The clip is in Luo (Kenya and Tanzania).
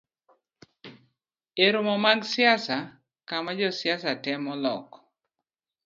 E romo mag siasa, kama josiasa temo loko